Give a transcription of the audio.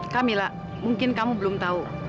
kamila mungkin kamu belum tahu